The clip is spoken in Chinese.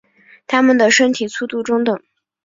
它们的身体粗度中等。